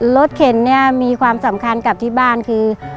เข็นเนี่ยมีความสำคัญกับที่บ้านคือ